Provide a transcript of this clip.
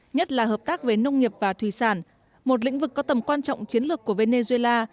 nhất là hợp tác về nông nghiệp và thủy sản một lĩnh vực có tầm quan trọng chiến lược của venezuela